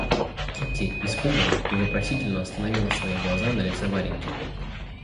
Кити испуганно и вопросительно остановила свои глаза на лице Вареньки.